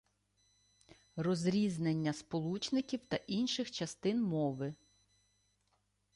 Розрізнення сполучників та інших частин мови